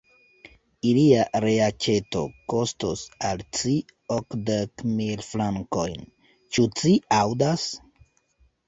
Ilia reaĉeto kostos al ci okdek mil frankojn, ĉu ci aŭdas?